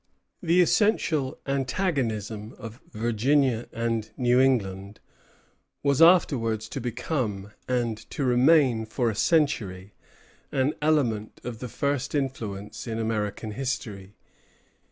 The essential antagonism of Virginia and New England was afterwards to become, and to remain for a century, an element of the first influence in American history.